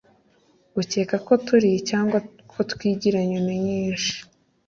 Ukeka ko turi Cyangwa ko twigira nyoni-nyinshi